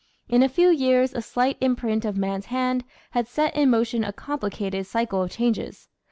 In a few years a slight imprint of man's hand had set in motion a complicated cycle of changes.